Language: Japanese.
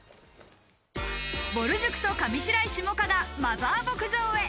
ぼる塾と上白石萌歌がマザー牧場へ。